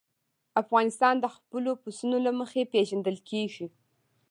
افغانستان د خپلو پسونو له مخې پېژندل کېږي.